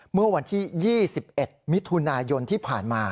เมื่อวันที่๒๑มิถุนายนที่ผ่านมา